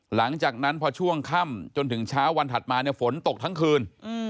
หลังจากนั้นพอช่วงค่ำจนถึงเช้าวันถัดมาฝนตกทั้งคืน